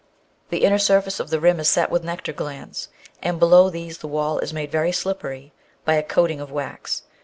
The inner surface of the rim is set with nectar glands, and below these the wall is made very slippery by a coat ing of wax.